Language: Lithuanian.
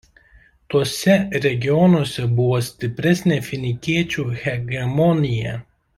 Tuose regionuose buvo stipresnė finikiečių hegemonija.